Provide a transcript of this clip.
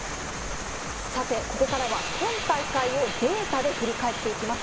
さて、ここからは今大会をデータで振り返っていきます。